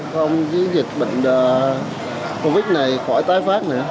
không dịch bệnh covid này khỏi tái phát nữa